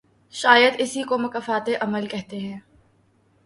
شاید اسی کو مکافات عمل کہتے ہیں۔